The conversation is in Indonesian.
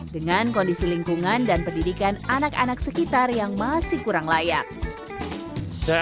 dengan kondisi lingkungan dan pendidikan anak anak sekitar yang masih kurang layak